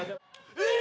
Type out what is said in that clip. えっ？